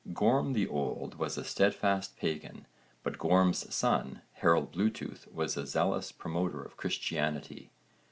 Gorm the Old was a steadfast pagan but Gorm's son Harold Bluetooth was a zealous promoter of Christianity.